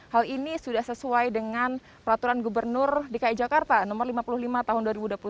hal ini sudah sesuai dengan peraturan gubernur dki jakarta no lima puluh lima tahun dua ribu dua puluh satu